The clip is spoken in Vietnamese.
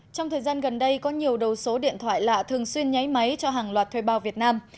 trong thời gian gần đây có nhiều đầu số điện thoại lạ thường xuyên nháy máy cho hàng loạt thuê bao việt nam